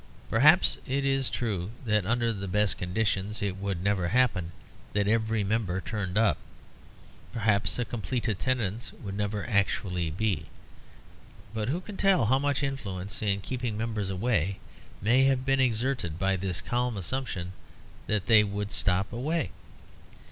Perhaps it is true that under the best conditions it would never happen that every member turned up. Perhaps a complete attendance would never actually be. But who can tell how much influence in keeping members away may have been exerted by this calm assumption that they would stop away?